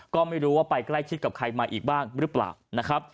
ก็ไม่รู้ว่าไปใกล้ชิดกับใครอีกบ้างรึเปล่า